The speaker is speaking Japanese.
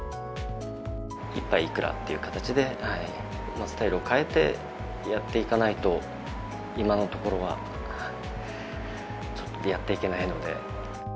１杯いくらっていう形で、スタイルを変えてやっていかないと、今のところはちょっとやっていけないので。